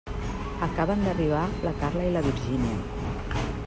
Acaben d'arribar la Carla i la Virgínia.